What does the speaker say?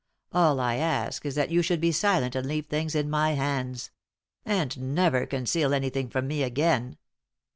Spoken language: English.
All I ask is that you should be silent and leave things in my hands. And never conceal anything from me again."